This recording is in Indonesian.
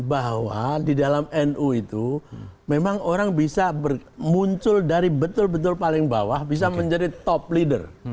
bahwa di dalam nu itu memang orang bisa muncul dari betul betul paling bawah bisa menjadi top leader